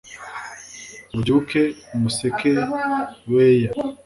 ubyuke umuseke weya